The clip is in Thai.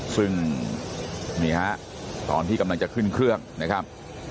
ซึ่งนี่ฮะตอนที่กำลังจะขึ้นเครื่องนะครับ